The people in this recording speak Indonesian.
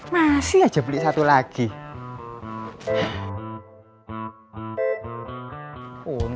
muarinyaong jangan hidup di tingkat mmong